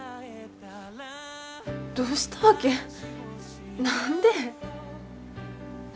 どうしたわけ？何で？